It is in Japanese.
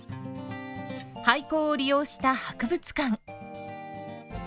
廃校を利用した博物館。